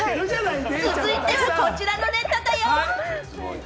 続いては、こちらのネタだよ。